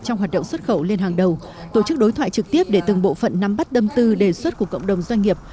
trong hoạt động xuất khẩu lên hàng đầu tổ chức đối thoại trực tiếp để từng bộ phận nắm bắt đâm tư đề xuất của cộng đồng doanh nghiệp